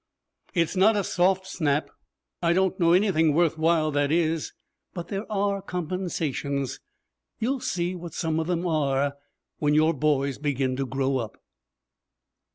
'It's not a soft snap. I don't know anything worth while that is. But there are compensations. You'll see what some of them are when your boys begin to grow up.'